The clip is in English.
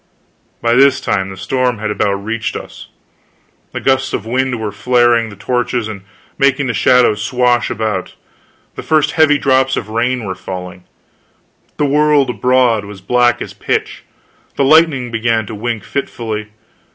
By this time the storm had about reached us; the gusts of wind were flaring the torches and making the shadows swash about, the first heavy drops of rain were falling, the world abroad was black as pitch, the lightning began to wink fitfully.